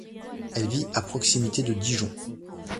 Elle vit à proximité de Dijon.